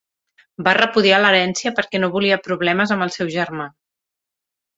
Va repudiar l'herència perquè no volia problemes amb el seu germà.